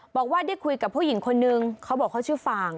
บอกว่าได้คุยกับผู้หญิงคนนึงเขาบอกเขาชื่อฟาง